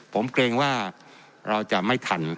ผมเกรงว่าเราจะไม่ทัน